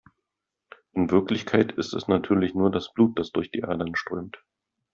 In Wirklichkeit ist es natürlich nur das Blut, das durch die Adern strömt.